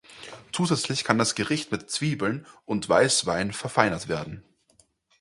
Zusätzlich kann das Gericht mit Zwiebeln und Weißwein verfeinert werden.